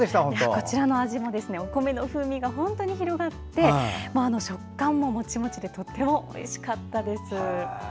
こちらの味もお米の風味が広がって食感もモチモチでとてもおいしかったです。